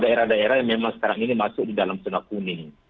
ada beberapa daerah daerah yang memang sekarang ini masuk di dalam senap kuning